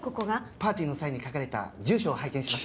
パーティーの際に書かれた住所を拝見しました。